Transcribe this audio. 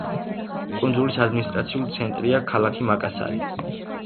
კუნძულის ადმინისტრაციული ცენტრია ქალაქი მაკასარი.